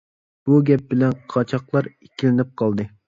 بۇ گەپ بىلەن قاچاقلار ئىككىلىنىپ قالدى.